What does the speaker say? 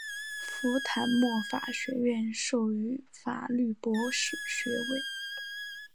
福坦莫法学院授予法律博士学位。